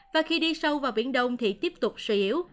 và khi đi sâu vào biển đông thì tiếp tục suy yếu